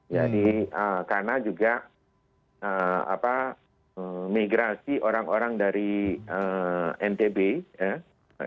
jadi karena juga migrasi orang orang dari ntb ya